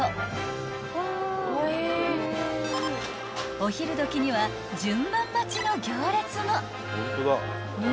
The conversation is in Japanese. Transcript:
［お昼時には順番待ちの行列も］